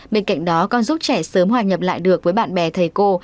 bên cạnh đó con giúp trẻ sớm hoà nhập lại được với bạn bè thầy cô